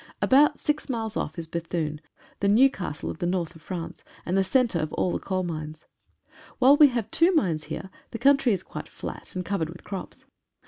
About six miles off is Bethune — the New castle of the North of France, and the centre of all the coal mines. While we have two mines here, the country is quite flat and covered with crops.